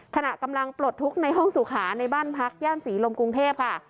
ขณะกำลังปลดทุกข์ในห้องสุขาในบ้านพักย่านศรีลมกรุงเทพค่ะ